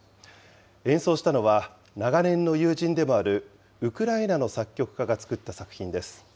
演奏したのは、長年の友人でもあるウクライナの作曲家が作った作品です。